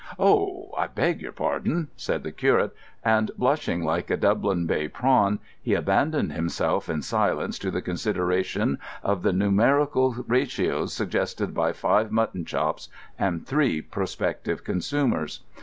"Oh, I beg your pardon!" said the curate, and, blushing like a Dublin Bay prawn, he abandoned himself in silence to the consideration of the numerical ratios suggested by five mutton chops and three prospective consumers.